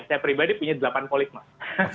saya pribadi punya delapan polik mas